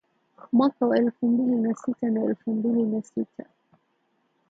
Mwaka wa elfu mbili na sita na elfu mbili na sita